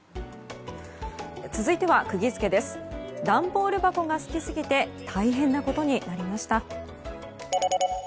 段ボール箱が好きすぎて大変なことになりました。